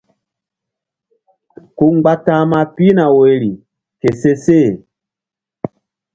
Ku mgba ta̧hma pihna woyri ke seseh.